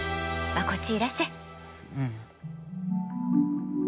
まあこっちいらっしゃい！うん。